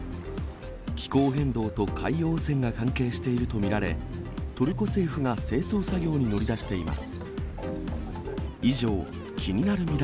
気候変動と海洋汚染が関係していると見られ、トルコ政府が清掃作業に乗り出しています。